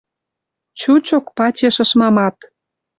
Чучок пачеш ышмамат.